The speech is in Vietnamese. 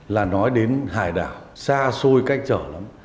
là nói đến hải đảo xa xôi cách trở lắm